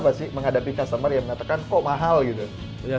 tapi apa sih menghadapi customer yang mengatakan kok mahal gitu